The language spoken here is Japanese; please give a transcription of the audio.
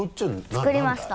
作りました。